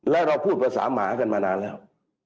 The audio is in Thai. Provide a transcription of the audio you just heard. แล้วเราพูดภาษาหมากันมานานแล้ว